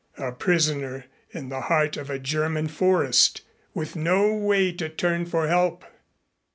A prisoner in the heart of a German forest with no way to turn for help!